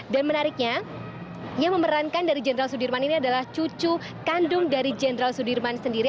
dan menariknya yang memerankan dari jenderal sudirman ini adalah cucu kandung dari jenderal sudirman sendiri